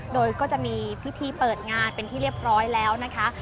โดยก็จะมีพิธีเปิดงานเป็นที่เรียบร้อยแล้วนะคะ